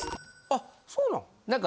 あっそうなん？